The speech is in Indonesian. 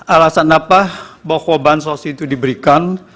alasan apa bahwa bansos itu diberikan